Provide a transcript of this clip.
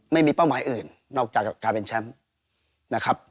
เป้าหมายอื่นนอกจากการเป็นแชมป์นะครับ